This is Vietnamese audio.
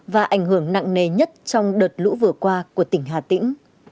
và ảnh hưởng nặng nề nhất trong đợt lũ vừa qua của tỉnh hà tĩnh